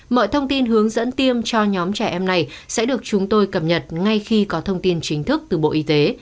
mọi thông tin hướng dẫn tiêm cho nhóm trẻ em này sẽ được chúng tôi cập nhật ngay khi có thông tin chính thức từ bộ y tế